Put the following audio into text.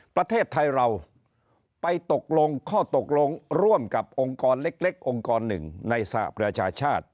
ประเทศไทยเราไปตกลงข้อตกลงร่วมกับองค์กรเล็กองค์กรหนึ่งในสหประชาชาติ